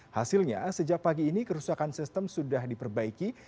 hasilnya sejak pagi ini kerusakan sistem sudah diperbaiki